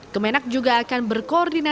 kemenak juga akan berkoordinasi